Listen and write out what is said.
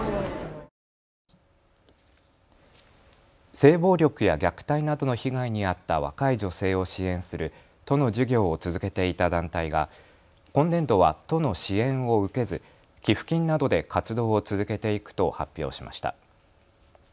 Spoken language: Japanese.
性暴力や虐待などの被害に遭った若い女性を支援する都の事業を続けていた団体が今年度は都の支援を受けず寄付金などで活動を続けていくと発表しました。